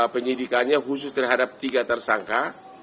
penyidikannya khusus terhadap tiga tersangka